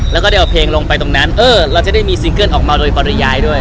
แล้วก็ได้เอาเพลงลงไปตรงนั้นเออเราจะได้มีซิงเกิ้ลออกมาโดยปริยายด้วย